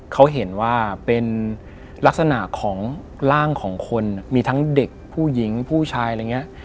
เขาเห็นว่าเป็นลักษณะของร่างของคนมีทั้งเด็กผู้หญิงผู้ชายอะไรอย่างนี้